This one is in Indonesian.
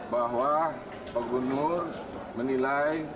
bahwa pak gubernur menilai